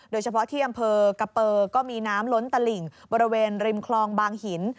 โดยเฉพาะที่อำเภอกะเปอร์ก็มีน้ำล้นตลิ่งบริเวณริมคลองบางหิน